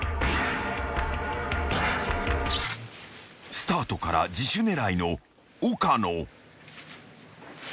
［スタートから自首狙いの岡野］